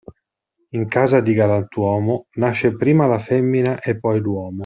In casa di galantuomo nasce prima la femmina e poi l'uomo.